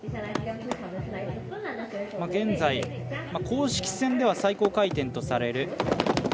現在公式戦では最高回転とされる１９８０。